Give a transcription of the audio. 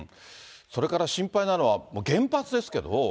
それから心配なのは原発ですけれども。